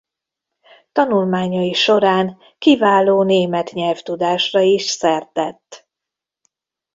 Tanulmányai során kiváló német nyelvtudásra is szert tett.